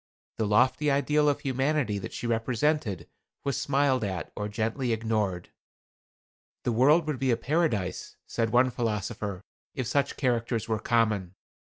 The lofty ideal of humanity that she represented was smiled at or gently ignored. "The world would be a paradise," said one philosopher, "if such characters were common.